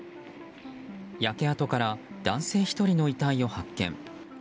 焼け跡から男性１人の遺体を発見。